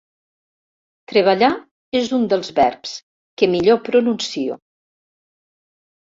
Treballar és un dels verbs que millor pronuncio.